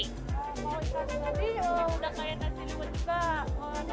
mau ikan teri udah kayak nasi liwet juga